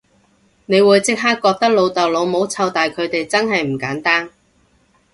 你會即刻覺得老豆老母湊大佢哋真係唔簡單